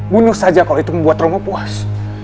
bunuh saja kalau itu membuat romo puas